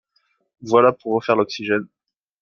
Voilà pour refaire l’oxygène.